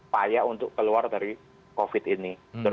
payah untuk keluar dari covid ini